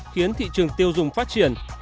khiến thị trường tiêu dùng phát triển